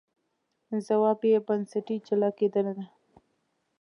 ځواب یې بنسټي جلا کېدنه ده.